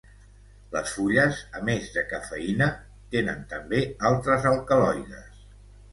Les fulles a més de cafeïna tenen també altres alcaloides.